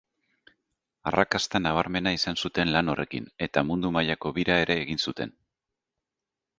Arrakasta nabarmena izan zuten lan horrekin eta mundu mailako bira ere egin zuten.